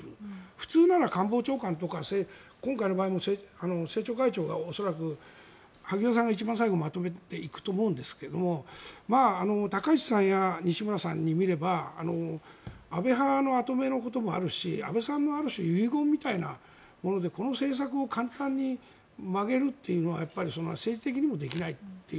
普通なら官房長官とか今回の場合も政調会長が恐らく、萩生田さんが一番最後にまとめていくと思うんですが高市さんや西村さんに見れば安倍派の跡目のこともあるし安倍さんのある種、遺言みたいなものでこの政策を簡単に曲げるというのは政治的にもできないという。